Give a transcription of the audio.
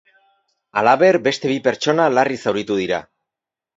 Halaber, beste bi pertsona larri zauritu dira.